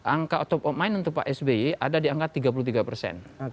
angka otop of mind untuk pak sby ada di angka tiga puluh tiga persen